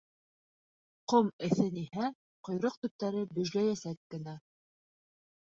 Ҡом эҫениһә, ҡойроҡ төптәре бөжләйәсәк кенә.